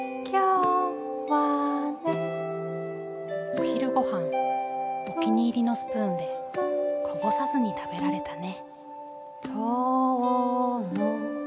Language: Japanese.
お昼ごはんお気に入りのスプーンでこぼさずに食べられたね。